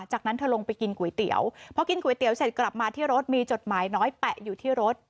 จากนั้นเธอลงไปกินก๋วยเตี๋ยวพอกินก๋วยเตี๋ยวเสร็จกลับมาที่รถมีจดหมายน้อยแปะอยู่ที่รถ